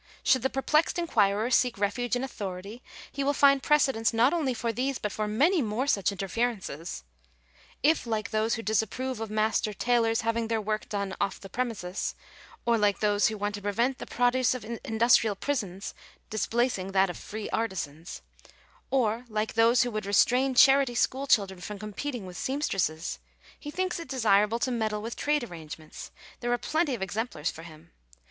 Should the perplexed inquirer seek refuge in authority, he will find precedents not only for these but for many more such interferences. If, like those who disapprove of master tailors having their work done off the premises, or like those who want to prevent the produce of industrial prisons displacing that of free artizans, or like those who would restrain charity school children from competing with seamstresses, he thinks it desir able to meddle with trade arrangements, there are plenty of exemplars for him.